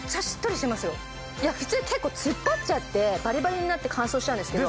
いや普通結構突っ張っちゃってパリパリになって乾燥しちゃうんですけど。